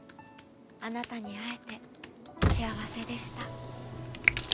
あなたにあえてしあわせでした」。